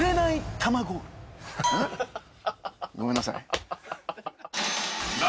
んっ？ごめんなさい。